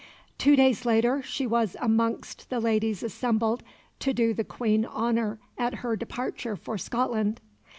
Two days later she was amongst the ladies assembled to do the Queen honour at her departure for Scotland.